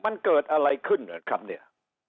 มันเกิดอะไรขึ้นนะครับเนี่ย